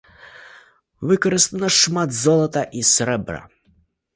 Выкарыстана шмат золата і срэбра.